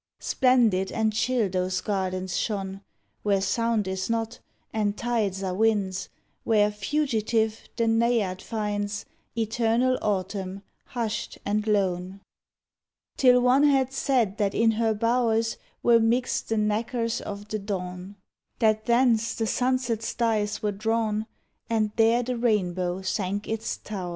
Splendid and chill those gardens shone. Where sound is not, and tides are winds,— Where, fugitive, the naiad finds Eternal autumn, hushed and lone; Till one had said that in her bow'rs Were mixt the nacres of the dawn, That thence the sunset's dyes were drawn, And there the rainbow sank its tow'rs.